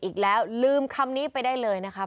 อีกแล้วลืมคำนี้ไปได้เลยนะครับ